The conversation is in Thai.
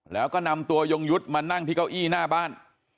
แล้วก็นำตัวยงยุทธ์มานั่งที่เก้าอี้หน้าบ้าน